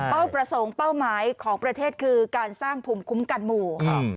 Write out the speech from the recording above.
ประสงค์เป้าหมายของประเทศคือการสร้างภูมิคุ้มกันหมู่